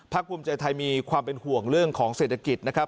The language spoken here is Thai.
ภูมิใจไทยมีความเป็นห่วงเรื่องของเศรษฐกิจนะครับ